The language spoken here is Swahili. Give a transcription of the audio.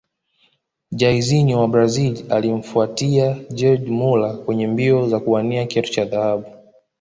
Jairzinho wa Brazil alimfuatia gerd muller kwenye mbio za kuwania kiatu cha dhahabu